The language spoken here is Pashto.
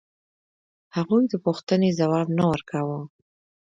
هغوی د پوښتنې ځواب نه ورکاوه.